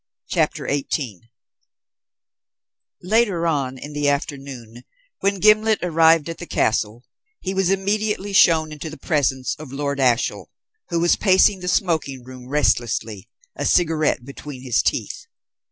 CHAPTER XVIII Later on in the afternoon, when Gimblet arrived at the castle, he was immediately shown into the presence of Lord Ashiel, who was pacing the smoking room restlessly, a cigarette between his teeth.